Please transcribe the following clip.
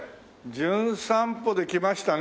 『じゅん散歩』で来ましたね